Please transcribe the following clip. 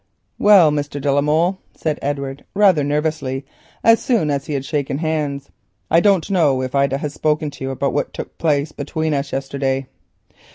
"Well, Mr. de la Molle," said Edward, rather nervously, so soon as he had shaken hands, "I do not know if Ida has spoken to you about what took place between us yesterday."